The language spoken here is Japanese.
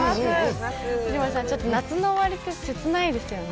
藤森さん、夏の終わりって切ないですよね？